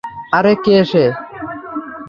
আরে কে সে?